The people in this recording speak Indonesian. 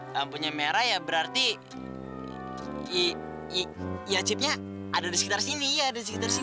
lampunya merah ya berarti ya chipnya ada di sekitar sini ada di sekitar sini